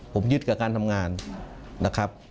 ผมยึดกับการทำงานนะครับ